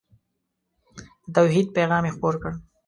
د توحید پیغام یې خپور کړ.